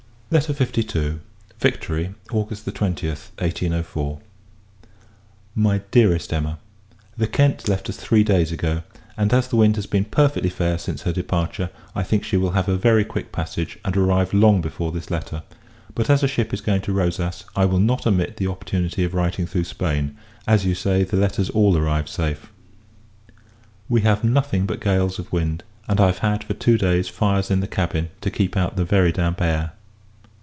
LETTER LII. Victory, August 20th, 1804. MY DEAREST EMMA, The Kent left us three days ago; and, as the wind has been perfectly fair since her departure, I think she will have a very quick passage, and arrive long before this letter. But, as a ship is going to Rosas, I will not omit the opportunity of writing through Spain; as, you say, the letters all arrive safe. We have nothing but gales of wind; and I have had, for two days, fires in the cabin, to keep out the very damp air.